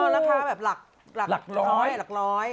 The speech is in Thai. ราคาแบบหลักล่อย